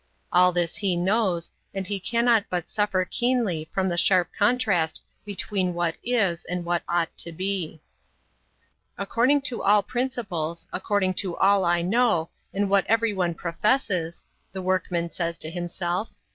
All this he knows, and he cannot but suffer keenly from the sharp contrast between what is and what ought to be. "According to all principles, according to all I know, and what everyone professes," the workman says to himself.